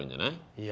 いや。